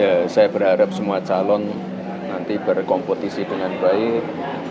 ya saya berharap semua calon nanti berkompetisi dengan baik